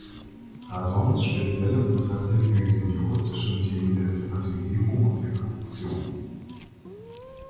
Radons spezielles Interesse gilt den juristischen Themen der Privatisierung und der Korruption.